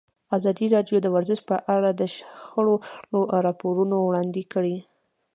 ازادي راډیو د ورزش په اړه د شخړو راپورونه وړاندې کړي.